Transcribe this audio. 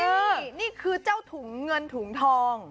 นี่นี่คือเจ้าถุงเงินถุงทอง